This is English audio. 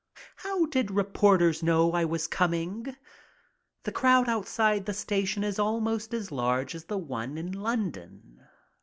How did reporters know I was coming? The crowd outside the station is almost as large as the one in London.